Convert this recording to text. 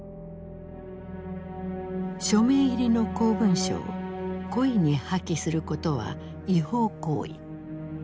署名入りの公文書を故意に破棄することは違法行為。